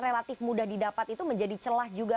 relatif mudah didapat itu menjadi celah juga